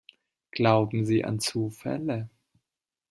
Glauben Sie an Zufälle?